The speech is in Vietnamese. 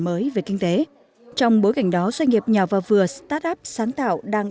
mới về kinh tế trong bối cảnh đó doanh nghiệp nhỏ và vừa start up sáng tạo đang